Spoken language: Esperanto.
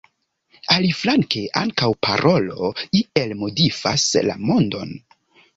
Aliflanke ankaŭ parolo iel modifas la mondon.